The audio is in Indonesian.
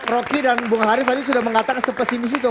rocky dan bang haris tadi sudah mengatakan spesimis itu